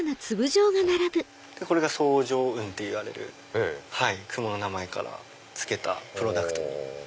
これが層状雲っていわれる雲の名前から付けたプロダクト。